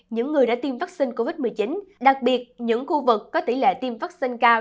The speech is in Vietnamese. những người đã tiêm vaccine covid một mươi chín đặc biệt những khu vực có tỷ lệ tiêm vaccine cao